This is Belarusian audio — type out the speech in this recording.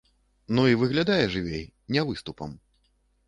Ну, і выглядае жывей, не выступам.